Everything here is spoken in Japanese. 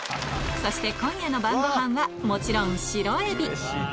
そして今夜の晩ごはんはもちろん白えび！